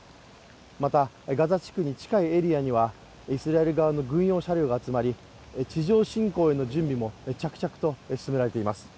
またガザ地区に近いエリアにはイスラエル側の軍用車両が集まり地上侵攻への準備も着々と進められています